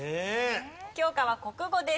教科は国語です。